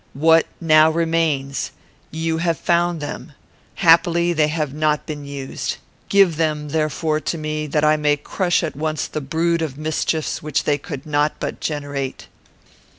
"What now remains? You have found them. Happily they have not been used. Give them, therefore, to me, that I may crush at once the brood of mischiefs which they could not but generate."